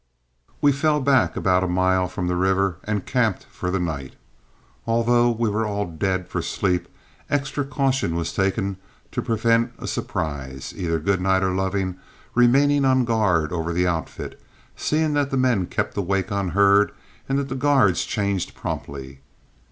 We fell back about a mile from the river and camped for the night. Although we were all dead for sleep, extra caution was taken to prevent a surprise, either Goodnight or Loving remaining on guard over the outfit, seeing that the men kept awake on herd and that the guards changed promptly.